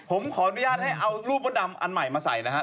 ผมขออนุญาตให้เอารูปมดดำอันใหม่มาใส่นะฮะ